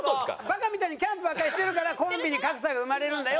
バカみたいにキャンプばっかりしてるからコンビに格差が生まれるんだよ。